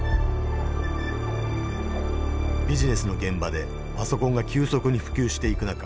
ビジネスの現場でパソコンが急速に普及していく中